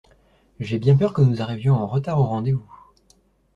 J'ai bien peur que nous arrivions en retard au rendez-vous.